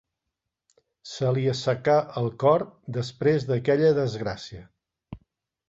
Se li assecà el cor després d'aquella desgràcia.